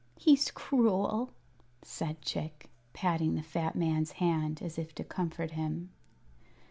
"He's cruel," said Chick, patting the fat man's hand, as if to comfort him.